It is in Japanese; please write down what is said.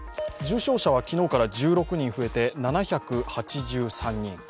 重症者は昨日から１６人増えて７８３人